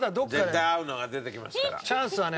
絶対合うのが出てきますから。